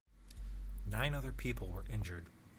Nine other people were injured.